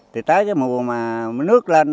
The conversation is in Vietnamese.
thì tới cái mùa mà nước lên